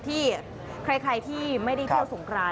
ที่ใครที่ไม่ได้เที่ยวสงคราน